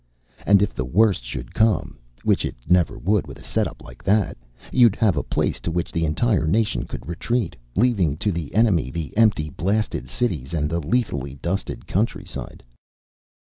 And if the worst should come which it never would with a setup like that you'd have a place to which the entire nation could retreat, leaving to the enemy the empty, blasted cities and the lethally dusted countryside.